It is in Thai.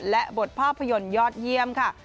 และบทภาพยนตร์ยอดเยี่ยมค่ะ